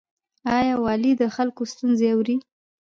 آیا والي د خلکو ستونزې اوري؟